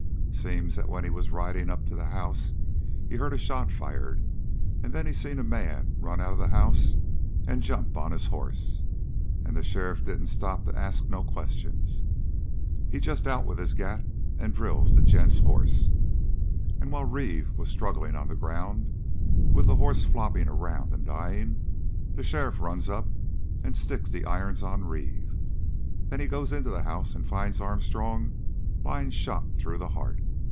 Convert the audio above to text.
Seems that when he was riding up to the house he heard a shot fired, and then he seen a man run out of the house and jump on his hoss, and the sheriff didn't stop to ask no questions. He just out with his gat and drills the gent's hoss. And while Reeve was struggling on the ground, with the hoss flopping around and dying, the sheriff runs up and sticks the irons on Reeve. Then he goes into the house and finds Armstrong lying shot through the heart.